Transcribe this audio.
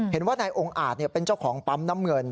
เห็นว่าในองค์อาทเนี่ยเป็นเจ้าของปั๊มน้ำเงิน